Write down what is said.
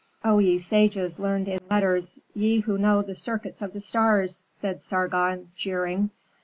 "O ye sages learned in letters, ye who know the circuits of the stars!" said Sargon, jeering.